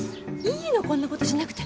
いいのこんな事しなくて。